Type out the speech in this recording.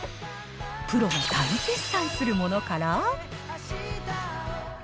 プロが大絶賛するものから。